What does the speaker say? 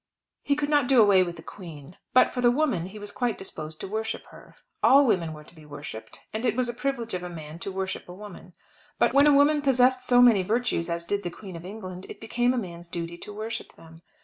He could not do away with the Queen. But for the woman, he was quite disposed to worship her. All women were to be worshipped, and it was a privilege of a man to worship a woman. When a woman possessed so many virtues as did the Queen of England, it became a man's duty to worship them.